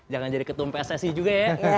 jangan jadi ketumpah ssi juga ya